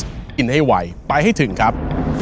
กินให้ไวไปให้ถึงครับ